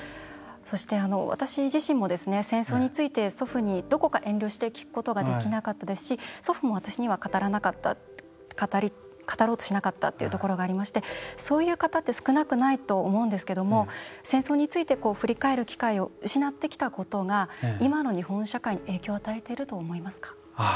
そして、私自身も戦争について祖父にどこか遠慮して聞くことができなかったですし祖父も私には語ろうとしなかったっていうところがありましてそういう方って少なくないと思うんですけども戦争について振り返る機会を失ってきたことが今の日本社会に影響を与えていると思いますか？